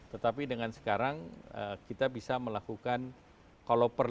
tetapi dengan sekarang kita bisa menghasilkan kemampuan